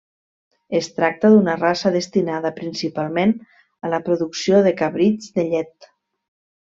Es tracta d'una raça destinada principalment a la producció de cabrits de llet.